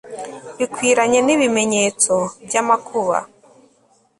Bikwiranye nibimenyetso byamakuba